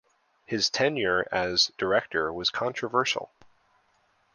His tenure as director was controversial.